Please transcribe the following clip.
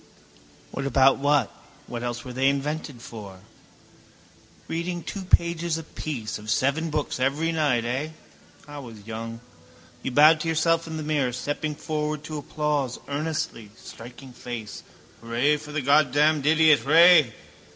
What about what? What else were they invented for? Reading two pages apiece of seven books every night, eh? I was young. You bowed to yourself in the mirror, stepping forward to applause earnestly, striking face. Hurray for the Goddamned idiot! Hray!